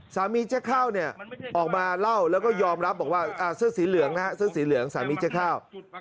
เจ๊ข้าวเนี่ยออกมาเล่าแล้วก็ยอมรับบอกว่าเสื้อสีเหลืองนะฮะเสื้อสีเหลืองสามีเจ๊ข้าว